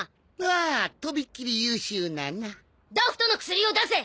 ああとびっきり優秀ななダフトの薬を出せ！